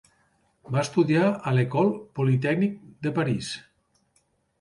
Va estudiar a l'Ecole Polytechnique de París.